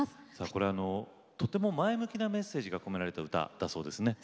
これはとても前向きなメッセージが込められた歌だそうですね。